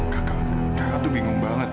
kakak kakak tuh bingung banget